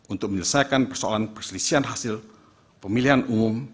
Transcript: untuk menyelesaikan persoalan perselisihan hasil pemilihan umum